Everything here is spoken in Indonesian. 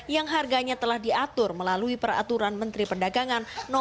yang harganya telah diatur melalui peraturan menteri pendagangan no enam